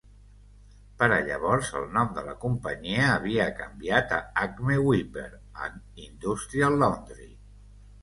Per a llavors, el nom de la companyia havia canviat a Acme Wiper and Industrial Laundry.